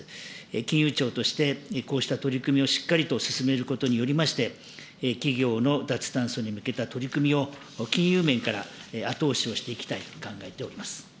金融庁として、こうした取り組みをしっかりと進めることによりまして、企業の脱炭素に向けた取り組みを、金融面から後押しをしていきたいと考えております。